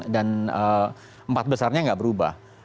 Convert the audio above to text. dan empat besarnya gak berubah